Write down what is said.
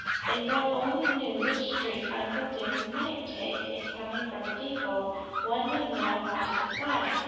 "If one only knew which street Uncle Dick might take in coming from the depot, one would know how to decide.